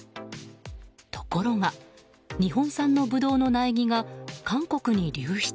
ところが日本産のブドウの苗木が韓国に流出。